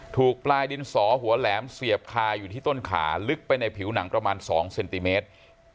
ถูกปลายดินสอหัวแหลมเสียบคาอยู่ที่ต้นขาลึกไปในผิวหนังประมาณ๒เซนติเมตร